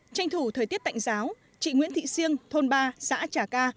tranh thủ thời tiết tạnh giáo chị nguyễn thị siêng thôn ba xã trà ca